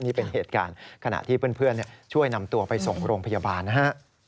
นี่เป็นเหตุการณ์ขณะที่เพื่อนช่วยนำตัวไปส่งโรงพยาบาลนะฮะ